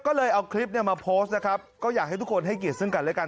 ก็เลยเอาคลิปเนี่ยมาโพสต์นะครับก็อยากให้ทุกคนให้เกียรติซึ่งกันและกัน